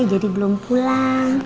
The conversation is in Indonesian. jadi belum pulang